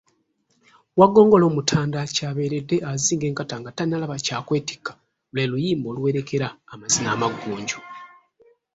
Waggongolo mutanda ky'abeeredde azinga enkata nga tannalaba kya kwetikka lwe luyimba oluwerekera amazina amaggunju.